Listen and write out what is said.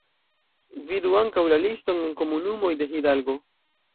Vidu ankaŭ la liston en komunumoj de Hidalgo.